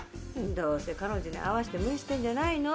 どうせ彼女に合わせて無理してるんじゃないの？